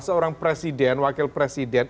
seorang presiden wakil presiden